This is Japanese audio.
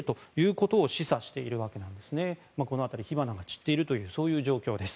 この辺り、火花が散っている状況です。